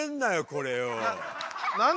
これよ。